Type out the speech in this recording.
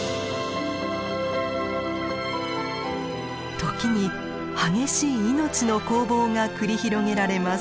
時に激しい命の攻防が繰り広げられます。